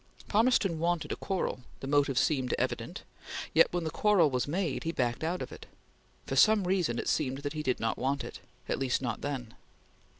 Palmerston wanted a quarrel; the motive seemed evident; yet when the quarrel was made, he backed out of it; for some reason it seemed that he did not want it at least, not then.